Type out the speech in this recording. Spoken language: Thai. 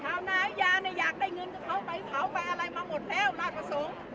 ชาวนายาเนี่ยอยากได้เงินของเขาไปเผาไปอะไรมาหมดแล้วลากระทรง